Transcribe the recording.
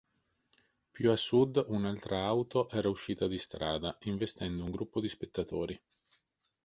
Più a sud un'altra auto era uscita di strada, investendo un gruppo di spettatori.